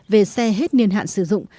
về xe hết niên hạn sử dụng